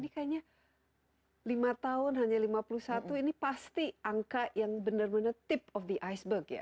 ini kayaknya lima tahun hanya lima puluh satu ini pasti angka yang benar benar tips of the iceberg ya